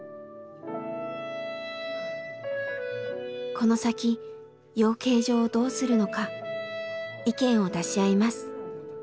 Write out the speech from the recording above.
この先養鶏場をどうするのか意見を出し合います。